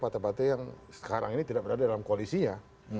partai partai yang sekarang ini tidak berada dalam koalisinya